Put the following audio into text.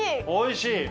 おいしい？